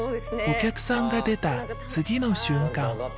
お客さんが出た次の瞬間